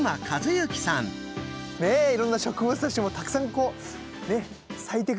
いろんな植物たちもたくさんこうね咲いてくる時期。